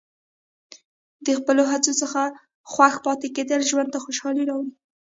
د خپلو هڅو څخه خوښ پاتې کېدل ژوند ته خوشحالي راوړي.